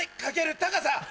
高さ！